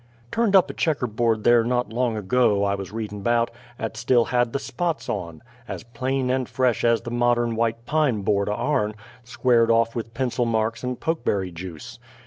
Turned up a checker board there not long ago, I wuz readin' 'bout, 'at still had the spots on as plain and fresh as the modern white pine board o' our'n, squared off with pencil marks and pokeberry juice.